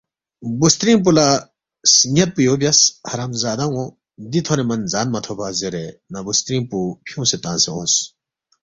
بُوسترِنگ پو لہ سن٘یاد پو یو بیاس، حرامزادان٘و دی تھونے من زان مہ تھوبا؟ زیرے نہ بُوسترِنگ پو فیُونگسے تنگسے اونگس